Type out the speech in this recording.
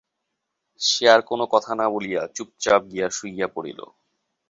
সে আর কোনো কথা না বলিয়া চুপচাপ গিয়া শুইয়া পড়িল।